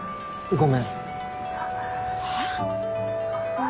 ごめん。